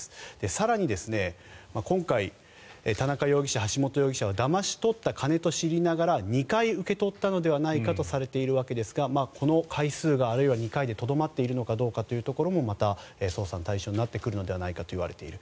更に、今回田中容疑者、橋本容疑者はだまし取った金を知りながら２回受け取ったのではないかとされているわけですがこの回数があるいは２回でとどまっているかというところもまた捜査の対象になってくるのではないかといわれている。